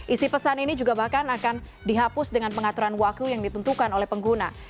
isi pesan ini juga bahkan akan dihapus dengan pengaturan waktu yang ditentukan oleh pengguna